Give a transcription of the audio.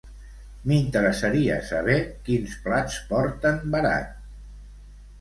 M'interessaria saber quins plats porten verat.